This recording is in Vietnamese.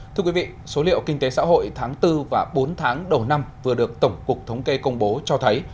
thưa quý vị số liệu kinh tế xã hội tháng bốn và bốn tháng đầu năm vừa được tổng cục thống kê công bố cho thấy